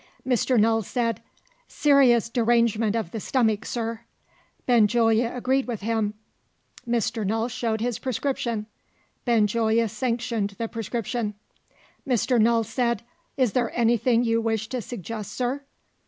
Mr. Null said, "Serious derangement of the stomach, sir." Benjulia agreed with him. Mr. Null showed his prescription. Benjulia sanctioned the prescription. Mr. Null said, "Is there anything you wish to suggest, sir?"